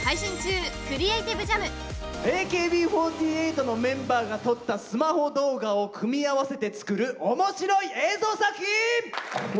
ＡＫＢ４８のメンバーが撮ったスマホ動画を組み合わせて作る面白い映像作品！